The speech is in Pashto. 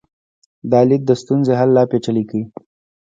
دا لید د ستونزې حل لا پیچلی کوي.